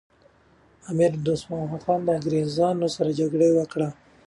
امیر دوست محمد خان له انګریزانو سره جګړه وکړه.